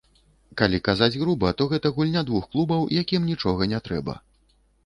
Калі казаць груба, то гэта гульня двух клубаў, якім нічога не трэба.